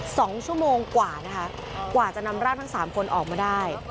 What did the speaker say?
สองชั่วโมงกว่านะคะกว่าจะนำร่างทั้งสามคนออกมาได้